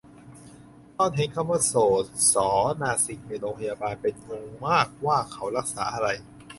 ตอนเห็นคำว่าโสต ศอ นาสิก ในโรงพยาบาล เป็นงงมากว่าเขารักษาอะไร